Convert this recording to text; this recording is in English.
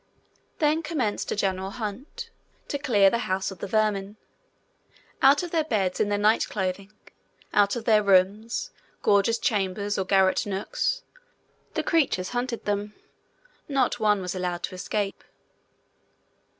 Then commenced a general hunt, to clear the house of the vermin. Out of their beds in their night clothing, out of their rooms, gorgeous chambers or garret nooks, the creatures hunted them. Not one was allowed to escape.